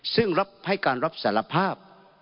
ซึ่งรับให้การรับสารภาพ